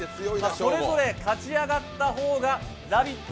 それぞれ勝ち上がった方がラヴィット！